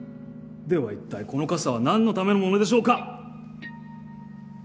ではいったいこの傘は何のためのものでしょうか？